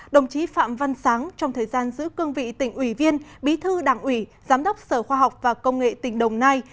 đồng chí phạm văn sáng trong thời gian giữ cương vị tỉnh ủy viên bí thư đảng ủy giám đốc sở khoa học và công nghệ tỉnh đồng nai